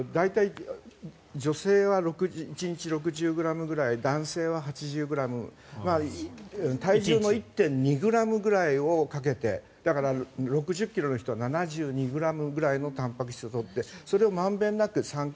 大体女性は１日６０ｇぐらい男性は８０ｇ体重の１．２ｇぐらいを掛けてだから６０ｋｇの人は７２ｇぐらいのたんぱく質を取ってそれを満遍なく３回。